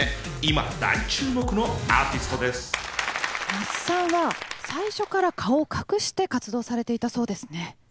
Ｎａｓｕさんは最初から顔を隠して活動されていたそうですね。